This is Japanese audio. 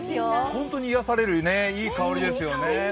本当に癒やされるいい香りですよね。